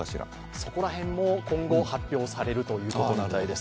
そこら辺も今後発表されるということなんです。